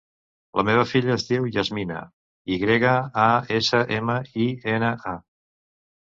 La meva filla es diu Yasmina: i grega, a, essa, ema, i, ena, a.